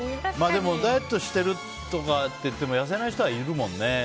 でも、ダイエットしてるって言っても痩せない人はいるもんね。